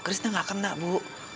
krisna nggak kena bu